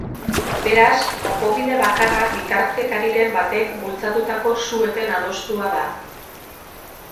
Beraz, konponbide bakarra bitartekariren batek bultzatutako su eten adostua da.